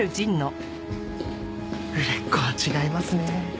売れっ子は違いますね。